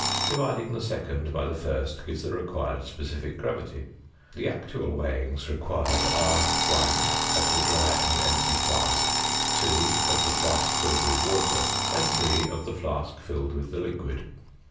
Dividing the second by the first gives the required sp. g. The actual weighings required are (1) of the dry and empty flask, (2) of the flask filled with water, and (3) of the flask filled with the liquid.